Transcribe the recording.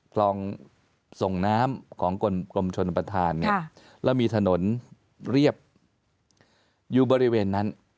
คลองส่งน้ำของกรมชนประธานเนี่ยแล้วมีถนนเรียบอยู่บริเวณนั้น